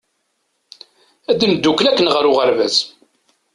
Ad ndukkel akken ɣer uɣeṛbaz!